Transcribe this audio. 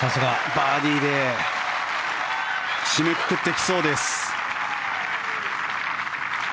バーディーで締めくくってきそうです。